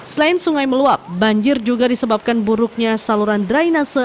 selain sungai meluap banjir juga disebabkan buruknya saluran drainase